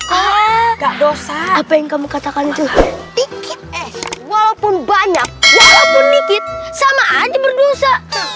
kak dosa apa yang kamu katakan itu dikit eh walaupun banyak walaupun dikit sama aja berdosa